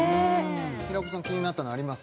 平子さん気になったのあります？